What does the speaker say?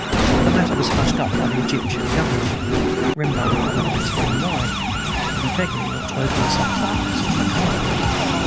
The matter was hushed up by the Egyptian Government. Rembold could not explain why. But he begged of me not to open the sarcophagus of Mekara."